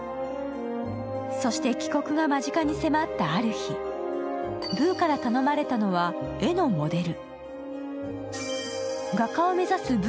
そして、帰国が間近に迫ったある日ブーから頼まれたのは絵のモデル。